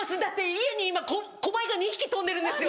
家に今小バエが２匹飛んでるんですよ。